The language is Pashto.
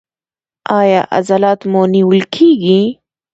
ایا عضلات مو نیول کیږي؟